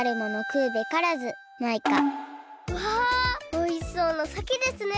わおいしそうなさけですね。